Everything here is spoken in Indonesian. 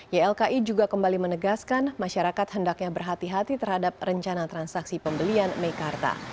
ylki juga kembali menegaskan masyarakat hendaknya berhati hati terhadap rencana transaksi pembelian meikarta